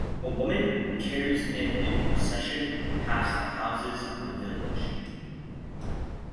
A woman carries it in procession past the houses of the village.